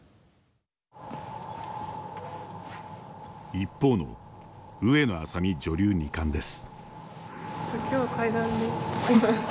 一方の上野愛咲美女流二冠です。